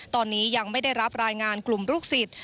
ตอนนี้ยังไม่ได้รับรายงานกลุ่มลูกศิษย์